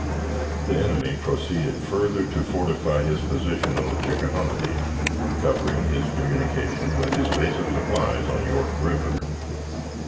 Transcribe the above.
The enemy proceeded further to fortify his position on the Chickahominy, covering his communication with his base of supplies on York River.